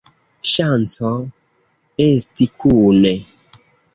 Ŝanco esti kune!